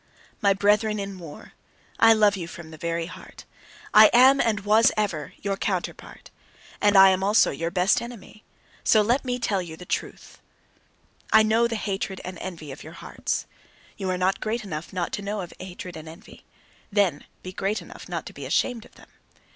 My brethren in war! I love you from the very heart. I am, and was ever, your counterpart. And I am also your best enemy. So let me tell you the truth! I know the hatred and envy of your hearts. Ye are not great enough not to know of hatred and envy. Then be great enough not to be ashamed of them!